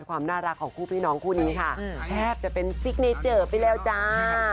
ความน่ารักของคู่พี่น้องคู่นี้ค่ะแทบจะเป็นซิกเนเจอร์ไปแล้วจ้า